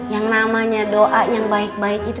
yang namanya doa yang baik baik itu